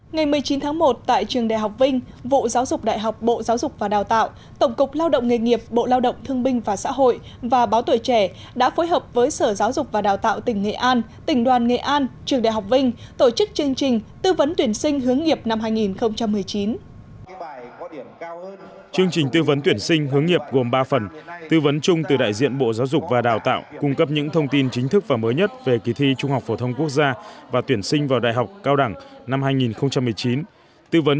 ngày một mươi chín tháng một tại trường đại học vinh vụ giáo dục đại học bộ giáo dục và đào tạo tổng cục lao động nghề nghiệp bộ lao động thương binh và xã hội và báo tuổi trẻ đã phối hợp với sở giáo dục và đào tạo tỉnh nghệ an tỉnh đoàn nghệ an trường đại học vinh tổ chức chương trình tư vấn tuyển sinh hướng nghiệp năm hai nghìn một mươi chín